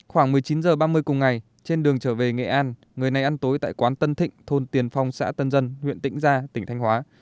khoảng một mươi chín h ba mươi cùng ngày trên đường trở về nghệ an người này ăn tối tại quán tân thịnh thôn tiền phong xã tân dân huyện tĩnh gia tỉnh thanh hóa